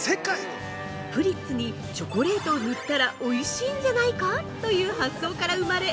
プリッツにチョコレートを塗ったらおいしいんじゃないか？という発想から生まれ